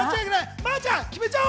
まーちゃん決めちゃおう！